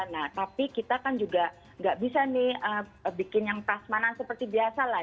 nah tapi kita kan juga nggak bisa nih bikin yang tasmana seperti biasa lah